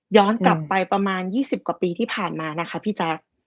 กลับไปประมาณ๒๐กว่าปีที่ผ่านมานะคะพี่แจ๊ค